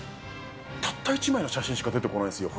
たった１枚の写真しか出てこないんですよ。